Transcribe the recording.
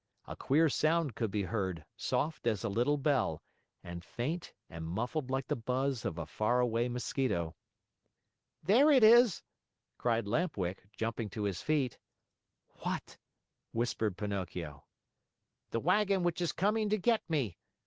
A queer sound could be heard, soft as a little bell, and faint and muffled like the buzz of a far away mosquito. "There it is!" cried Lamp Wick, jumping to his feet. "What?" whispered Pinocchio. "The wagon which is coming to get me.